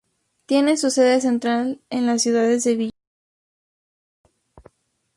Tiene su sede central en la ciudad de Sevilla.